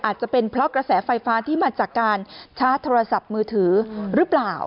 อาจจะเป็นเพราะกระแสไฟฟ้าที่มาจากการชาร์จโทรศัพท์มือถือหรือเปล่า